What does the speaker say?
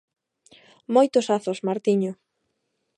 Moitos azos, Martiño!